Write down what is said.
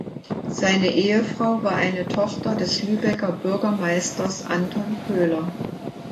Seine Ehefrau war eine Tochter des Lübecker Bürgermeisters Anton Köhler.